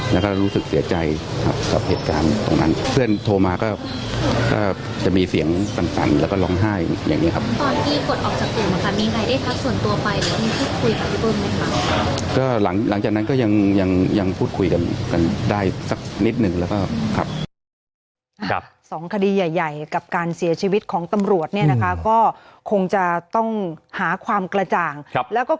นิดหนึ่งแล้วครับ